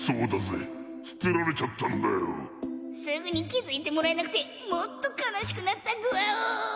「すぐにきづいてもらえなくてもっとかなしくなったぐわお」。